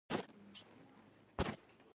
انجنیر ننګیالی په سترګه نه شو.